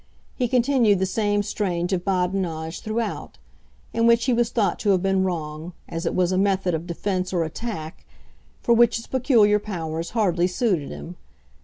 He continued the same strain of badinage throughout, in which he was thought to have been wrong, as it was a method of defence, or attack, for which his peculiar powers hardly suited him.